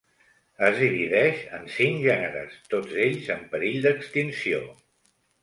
Es divideix en cinc gèneres, tots ells en perill d'extinció.